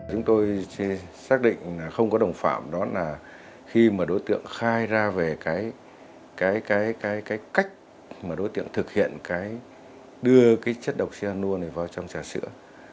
chúng tôi xác định là không có đồng phạm đó là khi mà đối tượng khai ra về cái cách mà đối tượng thực hiện cái đưa cái chất độc cyanur này vào trong trà sữa